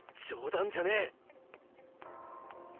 冗談じゃねえ！